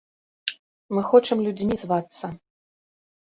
Мы хочам людзьмі звацца!